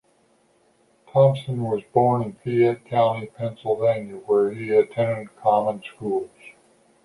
Thompson was born in Fayette County, Pennsylvania, where he attended the common schools.